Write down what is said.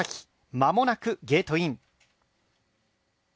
まもなくゲートイン。